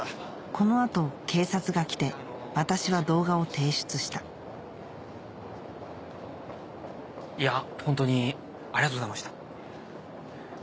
この後警察が来て私は動画を提出したいやぁホントにありがとうございました。